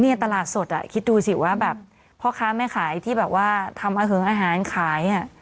ตลาดสดคิดดูสิว่าแบบพ่อค้าแม่ขายที่แบบว่าทำอาหารขาย